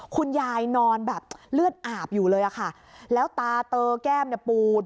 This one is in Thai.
คุณยายนอนแบบเลือดอาบอยู่เลยอะค่ะแล้วตาเตอแก้มเนี่ยปูด